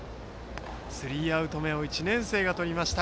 スリーアウト目を１年生がとりました。